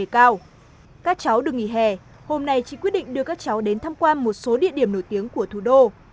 các cháu được nghỉ hè hôm nay chị quyết định đưa các cháu đến tham quan một số địa điểm nổi tiếng của thủ đô